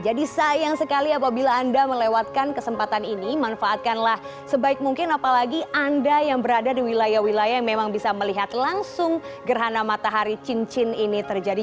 jadi sayang sekali apabila anda melewatkan kesempatan ini manfaatkanlah sebaik mungkin apalagi anda yang berada di wilayah wilayah yang memang bisa melihat langsung gerhana matahari cincin ini terjadi